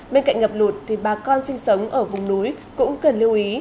bên cạnh ngập lụt thì bà con sinh sống ở vùng núi cũng cần lưu ý